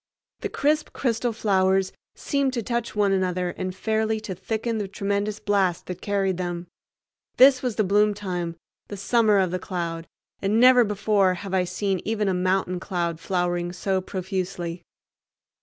The crisp crystal flowers seemed to touch one another and fairly to thicken the tremendous blast that carried them. This was the bloom time, the summer of the cloud, and never before have I seen even a mountain cloud flowering so profusely.